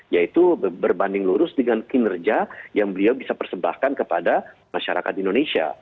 yaitu berbanding lurus dengan kinerja yang beliau bisa persembahkan kepada masyarakat indonesia